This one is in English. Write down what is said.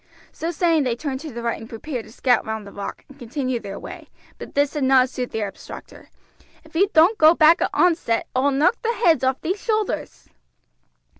So saying they turned to the right and prepared to scout round the rock and continue their way; but this did not suit their obstructor. "If ee doan't go back at oncet oi'll knock the heads off thee shoulders."